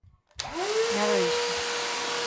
Nada diso.